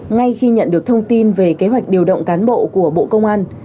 ngay khi nhận được thông tin về kế hoạch điều động cán bộ của bộ công an